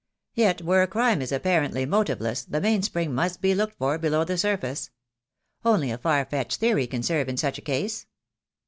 Yet where a crime is apparently motive less the mainspring must be looked for below the sur face. Only a far fetched theory can serve in such a case."